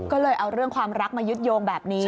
ก็เลยเอาเรื่องความรักมายึดโยงแบบนี้